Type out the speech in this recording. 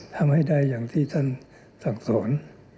ทำให้ได้อย่างที่ท่านสั่งสอน